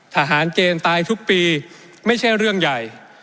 ทหารเกณฑ์ตายทุกปีไม่ใช่เรื่องใหญ่